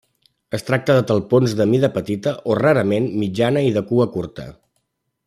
Es tracta de talpons de mida petita o, rarament, mitjana i de cua curta.